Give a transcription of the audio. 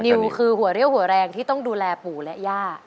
นิวคือหัวเรี่ยวหัวแรงที่ต้องดูแลปู่และย่า